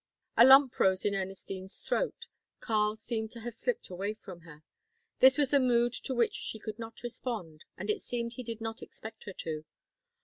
A lump rose in Ernestine's throat; Karl seemed to have slipped away from her. This was a mood to which she could not respond and it seemed he did not expect her to.